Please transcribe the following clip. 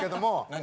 何？